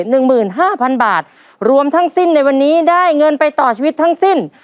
หนึ่งหมื่นห้าพันบาทรวมทั้งสิ้นในวันนี้ได้เงินไปต่อชีวิตทั้งสิ้น